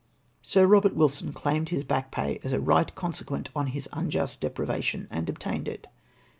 Sir Eobert Wilson claimed his back pay as a right consequent on his unjust deprivation, and obtained it.